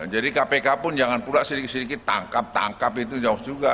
jadi kpk pun jangan pula sedikit sedikit tangkap tangkap itu jauh juga